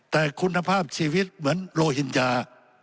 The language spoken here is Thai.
แต่คุณภาพชีวิตเหมือนโลหินยา